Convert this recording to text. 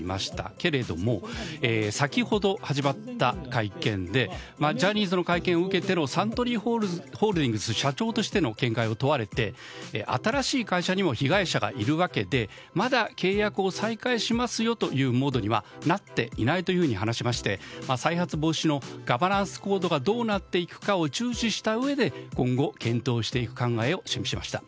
けれども、先ほど始まった会見でジャニーズの会見を受けてのサントリーホールディングスの社長としての見解を問われて、新しい会社にも被害者がいるわけで、まだ契約を再開しますよというムードにはなっていないと話しまして再発防止のガバナンスコードがどうなっていくかを注視したうえで今後、検討していく考えを示しました。